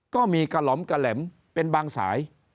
ก็มีกระหล่อมกระแหลมเป็นบางสาย